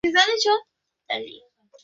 ইট্রুরিআর অধিবাসীদের পুরনো একটা কবরখানা।